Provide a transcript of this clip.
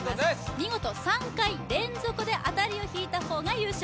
見事３回連続で当たりを引いた方が優勝